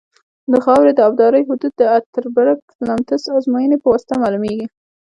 د خاورې د ابدارۍ حدود د اتربرګ لمتس ازموینې په واسطه معلومیږي